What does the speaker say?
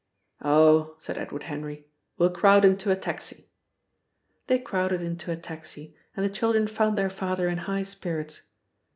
"Oh," said Edward Henry, "we'll crowd into a taxi!" They crowded into a taxi, and the children found their father in high spirits.